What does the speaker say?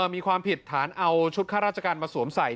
มีความผิดฐานเอาชุดค่าราชการมาสวมใส่